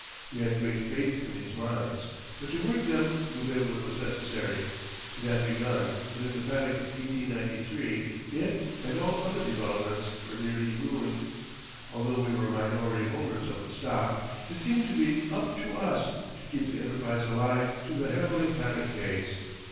We had great faith in these mines, but to work them the railroad was necessary. It had been begun, but in the panic of 1893 it and all other developments were nearly ruined. Although we were minority holders of the stock, it seemed to be "up to us" to keep the enterprise alive through the harrowing panic days.